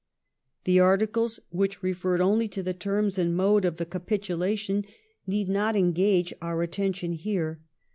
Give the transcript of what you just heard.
The articles which referred only to the terms and mode of the capitulation need not engage our attention here.